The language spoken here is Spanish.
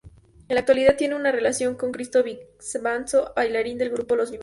En la actualidad tiene una relación con Cristo Vivanco, bailarín del grupo Los Vivancos.